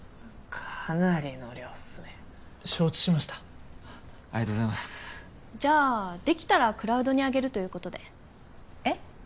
かなりの量っすね承知しましたありがとうございますじゃあできたらクラウドにあげるということでえっ？